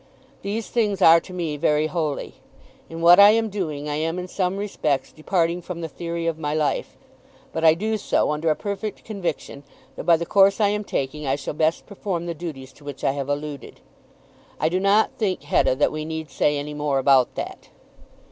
These things are to me very holy. In what I am doing I am in some respects departing from the theory of my life, but I do so under a perfect conviction that by the course I am taking I shall best perform the duties to which I have alluded. I do not think, Hetta, that we need say any more about that."